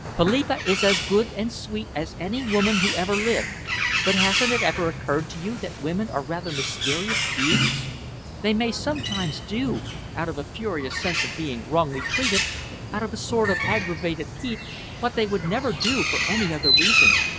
Philippa is as good and sweet as any woman who ever lived, but hasn't it ever occurred to you that women are rather mysterious beings? They may sometimes do, out of a furious sense of being wrongly treated, out of a sort of aggravated pique, what they would never do for any other reason.